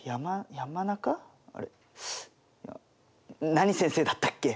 何先生だったっけ？